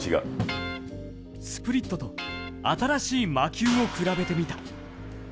スプリットと、新しい魔球を比べてみた。